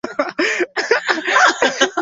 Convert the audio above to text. ligi uliopigwa siku ya jumapili